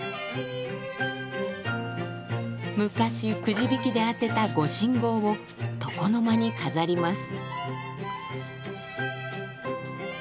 昔くじ引きで当てた御神号を床の間に飾ります。